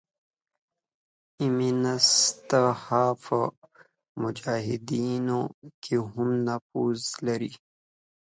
امینست ها په مجاهدینو کې هم نفوذ لري.